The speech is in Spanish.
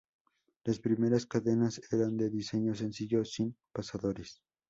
Las primeras cadenas eran de diseño sencillo, sin pasadores.